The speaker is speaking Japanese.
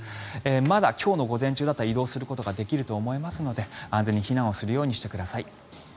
まだ今日の午前中だと移動することができると思いますので安全に避難をするようにしてください。